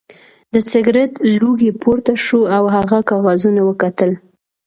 د سګرټ لوګی پورته شو او هغه کاغذونه وکتل